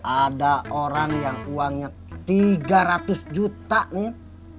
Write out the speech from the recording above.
ada orang yang uangnya tiga ratus juta nih